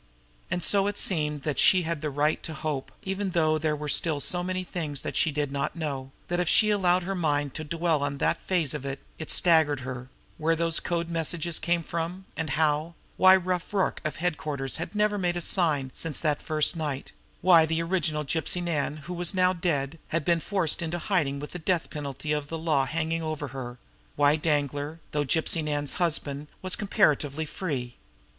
And so it seemed that she had the right to hope, even though there were still so many things she did not know, that if she allowed her mind to dwell upon that phase of it, it staggered her where those code messages came from, and how; why Rough Rorke of headquarters had never made a sign since that first night; why the original Gypsy Nan, who was dead now, had been forced into hiding with the death penalty of the law hanging over her; why Danglar, though Gypsy Nan's husband, was comparatively free.